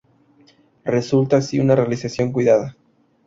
Resulta así una realización cuidada.